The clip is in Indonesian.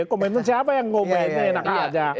komitmen siapa yang ngomong itu enak aja